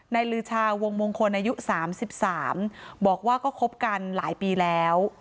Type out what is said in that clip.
ลือชาวงมงคลอายุ๓๓บอกว่าก็คบกันหลายปีแล้ว